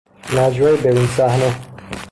نجوای برون صحنه